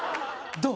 どう？